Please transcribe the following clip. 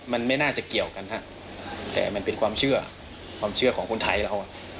มันไม่น่าจะเกี่ยวกันฮะแต่มันเป็นความเชื่อของคนไทยแล้ว